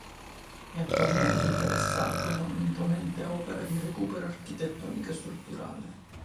È attualmente interessato da una imponente opera di recupero architettonico e strutturale.